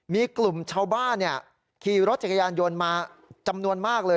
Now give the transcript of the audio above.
มีกลุ่มชาวบ้านขี่รถจักรยานยนต์มาจำนวนมากเลย